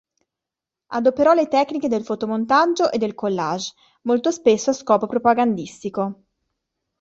Adoperò le tecniche del fotomontaggio e del collage, molto spesso a scopo propagandistico.